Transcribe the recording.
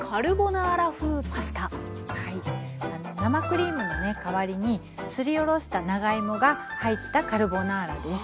はい生クリームの代わりにすりおろした長芋が入ったカルボナーラです。